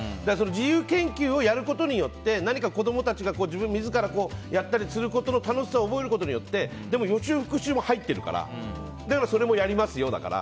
自由研究をやることによって何か子供たちが自らやったりすることの楽しさを覚えることによって予習復習も入っててそれをやりますよだから。